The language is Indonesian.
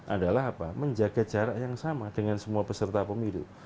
adalah apa menjaga jarak yang sama dengan semua peserta pemilu